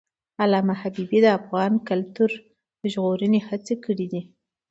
علامه حبیبي د افغان کلتور د ژغورنې هڅې کړی دي.